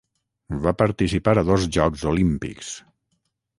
Va participar a dos Jocs Olímpics.